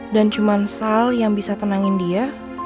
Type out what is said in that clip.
dan cuman sal yang bisa tenangin dia